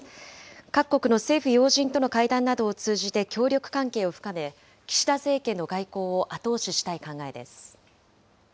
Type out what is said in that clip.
各国の政府要人との会談などを通じて協力関係を深め、岸田政権の外交を後押ししたい考えです。